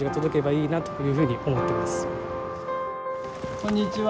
こんにちは。